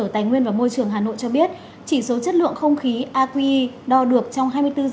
tài nguyên và môi trường hà nội cho biết chỉ số chất lượng không khí aqi đo được trong hai mươi bốn h